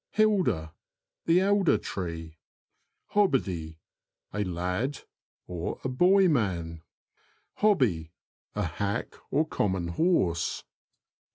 HiLDER. — The elder tree. HOBBIDY. — A lad, a boy man. Hobby. — A hack or common horse.